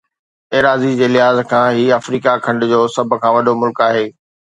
ايراضيءَ جي لحاظ کان هي آفريڪا کنڊ جو سڀ کان وڏو ملڪ آهي